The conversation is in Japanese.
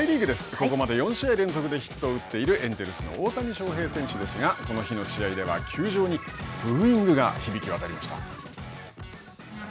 ここまで４試合連続でヒットを打っているエンジェルスの大谷翔平選手ですがこの日の試合では球場にブーイングが響き渡りまし